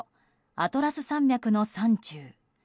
アトラス山脈の山中。